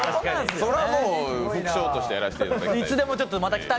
それはもう副賞としてやらせていただきたい。